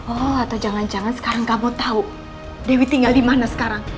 oh atau jangan jangan sekarang kamu tau dewi tinggal dimana sekarang